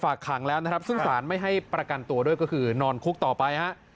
ขังแล้วนะครับซึ่งสารไม่ให้ประกันตัวด้วยก็คือนอนคุกต่อไปฮะ